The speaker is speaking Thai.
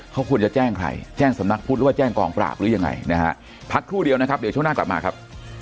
เขาควรจะแจ้งใครแจ้งสำนักพุทธหรือว่าแจ้งกองปราบหรือยังไงนะฮะพักครู่เดียวนะครับเดี๋ยวช่วงหน้ากลับมาครับ